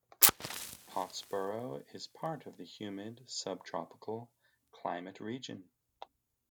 Pottsboro is part of the humid subtropical climate region.